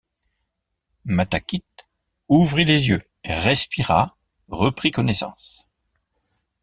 Matakit ouvrit les yeux, respira, reprit connaissance.